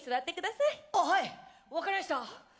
あっはい分かりました。